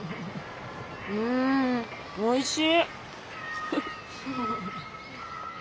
うんおいしい！